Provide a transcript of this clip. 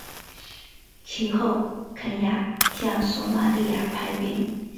其后肯亚向索马利亚派兵。